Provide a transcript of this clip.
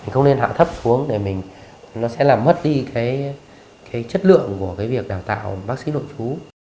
không nên hạ thấp xuống để mình nó sẽ làm mất đi cái chất lượng của cái việc đào tạo bác sĩ nội chú